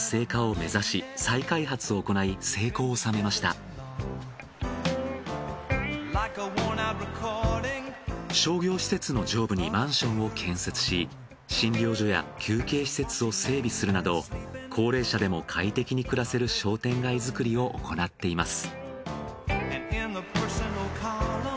こちらのエリアは今全国的にも注目を集めている商業施設の上部にマンションを建設し診療所や休憩施設を整備するなど高齢者でも快適に暮らせる商店街づくりを行っています。